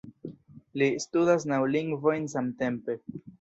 Li studas naŭ lingvojn samtempe